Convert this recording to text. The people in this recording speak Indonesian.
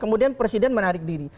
kemudian presiden menarik diri